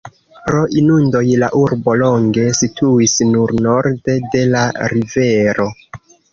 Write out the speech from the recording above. Pro inundoj, la urbo longe situis nur norde de la rivero.